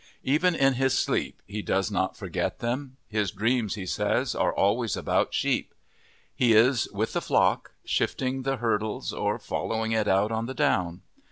Even in his sleep he does not forget them; his dreams, he says, are always about sheep; he is with the flock, shifting the hurdles, or following it out on the down.